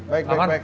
baik baik baik